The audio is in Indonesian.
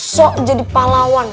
sok jadi pahlawan